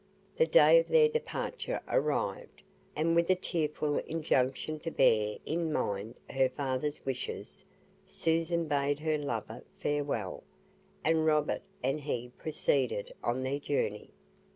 The day of their departure arrived, and with a tearful injunction to bear in mind her father's wishes, Susan bade her lover farewell, and Robert and he proceeded on their journey.